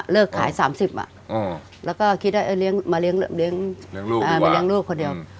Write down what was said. ขาย๓๐แล้วก็คิดว่ามาเลี้ยงลูกคนเดียว